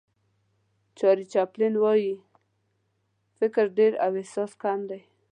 چارلي چاپلین وایي فکر ډېر او احساس کم دی.